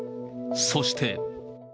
そして。